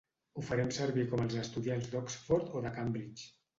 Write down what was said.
Ho farem servir com els estudiants d'Oxford o de Cambridge.